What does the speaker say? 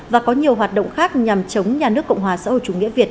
và có nhiều hoạt động khác nhằm chống nhà nước cộng hòa xã hội chủ nghĩa việt